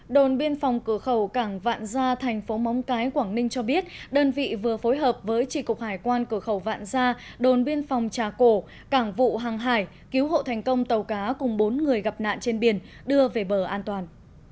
đồn biên phòng cửa khẩu cảng vạn gia thành phố móng cái quảng ninh cho biết đơn vị vừa phối hợp với chỉ cục hải quan cửa khẩu vạn gia đồn biên phòng trà cổ cảng vụ hàng hải cứu hộ thành công tàu cá cùng bốn người gặp nạn trên biển đưa về bờ an toàn